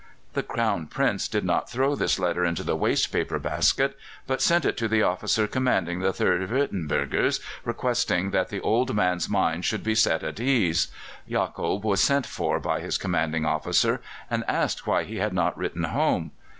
The Crown Prince did not throw this letter into the waste paper basket, but sent it to the officer commanding the 3rd Würtembergers, requesting that the old man's mind should be set at ease. Jacob was sent for by his commanding officer and asked why he had not written home.